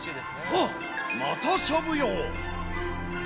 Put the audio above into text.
あっ、またしゃぶ葉。